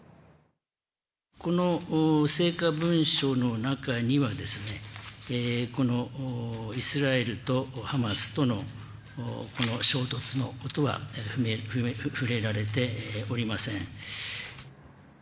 この成果文書の中にはですね、イスラエルとハマスとの、この衝突のことは触れられておりません。